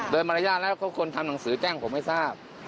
โดยมารยาทแล้วคนทำหนังสือแจ้งผมให้ทราบ